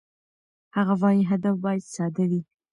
هغه وايي، هدف باید ساده وي.